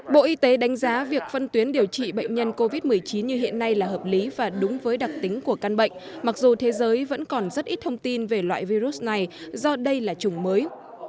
bộ y tế đánh giá việc phân tuyến điều trị bệnh nhân covid một mươi chín như hiện nay là hợp lý và đúng với đặc tính của căn bệnh mặc dù thế giới vẫn còn rất ít thông tin về loại virus này do đây là chủng mới